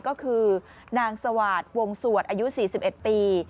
ก็คือนางสวาสวงสวดอายุ๔๑ปี